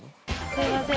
すいません